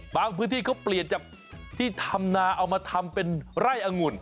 พื้นที่เขาเปลี่ยนจากที่ทำนาเอามาทำเป็นไร่อังุ่น